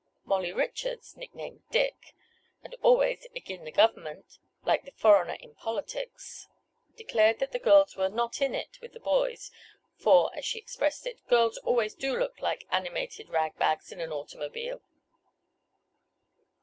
Molly Richards, nick named Dick, and always "agin' th' government" like the foreigner in politics, declared that the girls "were not in it" with the boys, for, as she expressed it, "girls always do look like animated rag bags in an automobile."